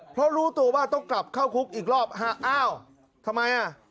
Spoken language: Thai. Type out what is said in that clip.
เพราะรู้ตัวว่าต้องกลับเข้าคุกอีกรอบฮะอ้าวทำไมอ่ะ